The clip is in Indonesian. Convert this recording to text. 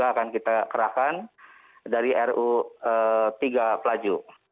jadi itu yang akan kita kerahkan dari ru tiga pelaju